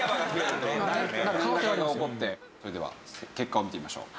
それでは結果を見てみましょう。